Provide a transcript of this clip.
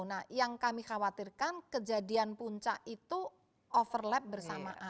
nah yang kami khawatirkan kejadian puncak itu overlap bersamaan